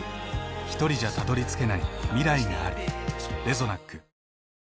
ひとりじゃたどりつけない未来がある。